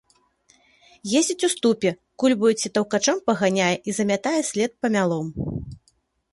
Ездзіць у ступе, кульбаю ці таўкачом паганяе і замятае след памялом.